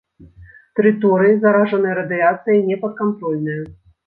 Тэрыторыі, заражаныя радыяцыяй, непадкантрольныя.